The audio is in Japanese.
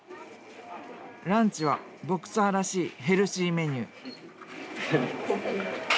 ランチはボクサーらしいヘルシーメニュー。